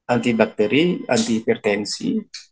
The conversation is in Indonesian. anti bakteri anti hipertensi